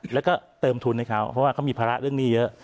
แล้วก็เติมทุนให้เขาเพราะว่าเขามีภาระเรื่องนี้เยอะ